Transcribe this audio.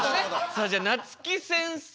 さあじゃなつき先生。